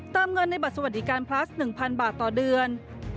เงินในบัตรสวัสดิการพลัส๑๐๐บาทต่อเดือน